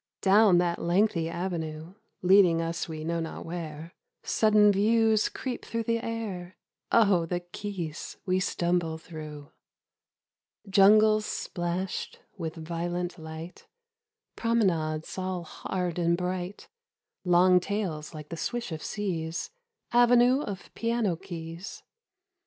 Down that lengthy avenue Leading us we know not where — Sudden views creep through the air ; Oh the keys we stumble through ! 83 The Avenue. Jungles splashed with violent light, Promenades all hard and bright, Long tails like the swish of seas Avenue of piano keys.